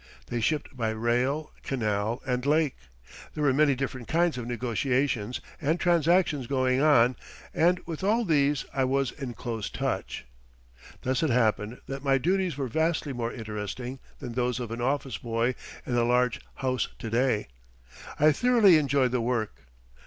They shipped by rail, canal, and lake. There were many different kinds of negotiations and transactions going on, and with all these I was in close touch. Thus it happened that my duties were vastly more interesting than those of an office boy in a large house to day. I thoroughly enjoyed the work.